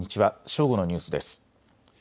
正午のニュースです。